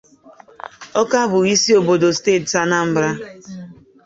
Awka' bụ isi obodo steeti Anambra